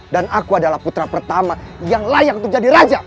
dan aku adalah putra pertama yang layak untuk jadi raja